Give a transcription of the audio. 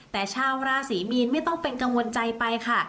แต่ชาวราศรีมีนไม่ต้องเป็นกังวลใจไปค่ะ